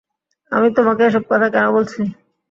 আমি তোমাকে এসব কথা কেন বলছি?